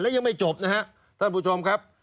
แล้วยังไม่จบนะครับท่านผู้ชมครับ